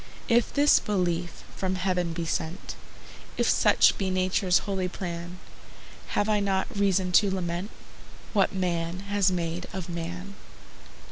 If this belief from heaven be sent, If such be Nature's holy plan, Have I not reason to lament What man has made of man?